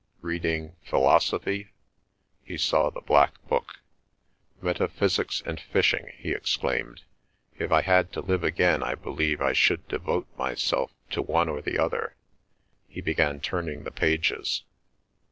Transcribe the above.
Reading—philosophy?" (He saw the black book.) "Metaphysics and fishing!" he exclaimed. "If I had to live again I believe I should devote myself to one or the other." He began turning the pages.